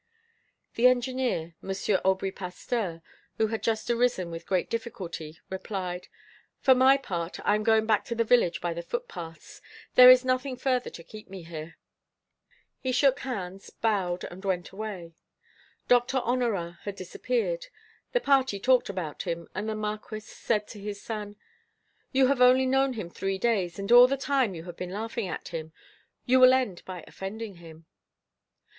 The engineer, M. Aubry Pasteur, who had just arisen with very great difficulty, replied: "For my part, I am going back to the village by the footpaths. There is nothing further to keep me here." He shook hands, bowed, and went away. Doctor Honorat had disappeared. The party talked about him, and the Marquis said to his son: "You have only known him three days, and all the time you have been laughing at him. You will end by offending him."